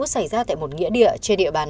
xảy ra tại một nghĩa địa trên địa bàn